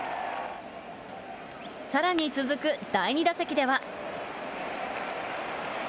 さらに続く第２打席では。